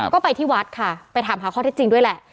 ก็ไปที่วัดค่ะไปถามหาข้อเท็จจริงด้วยแหละ